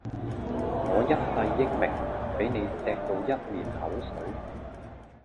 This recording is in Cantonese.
我一世英名，俾你鍚到一面口水